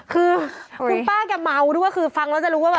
คุณป้าเค้าเม้าด้วยคือฟังแล้วจะรู้ว่า